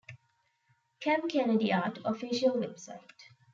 Cam Kennedy Art - Official website.